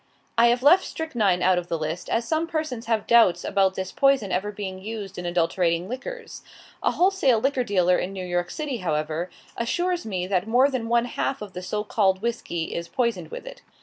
I have left strychnine out of the list, as some persons have doubts about this poison ever being used in adulterating liquors. A wholesale liquor dealer in New York city, however, assures me that more than one half the so called whisky is poisoned with it.